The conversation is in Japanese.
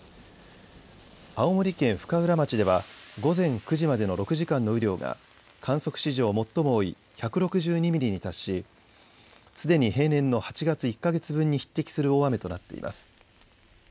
青森県深浦町では午前９時までの６時間の雨量が観測史上最も多い１６２ミリに達しすでに平年の８月１か月分に匹敵する大雨となっています。